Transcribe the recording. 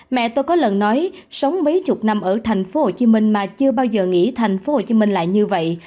mẹ tôi có lần nói sống mấy chục năm ở thành phố hồ chí minh mà chưa bao giờ nghĩ thành phố hồ chí minh lại như vậy